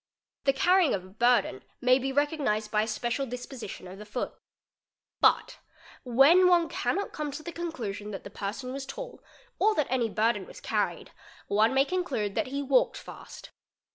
The carrying of a burden "mhay be recognised by a special disposition of the foot. But, when one 'cannot come to the conclusion that the person was tall or that any burden was carried, one may conclude that he walked fast.